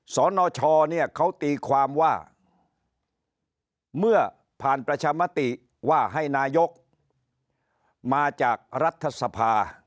สนชเนี่ยเขาตีความว่าเมื่อผ่านประชามติว่าให้นายกมาจากรัฐสภา